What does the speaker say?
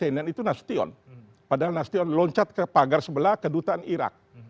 cnn itu nasution padahal nastion loncat ke pagar sebelah kedutaan irak